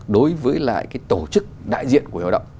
đối với lại cái tổ chức đại diện của người lao động